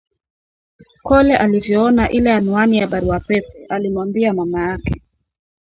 Kole alivyoona ile anuani ya barua pepe alimwambia mama yake